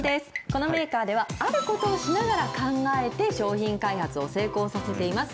このメーカーではあることをしながら考えて、商品開発を成功させています。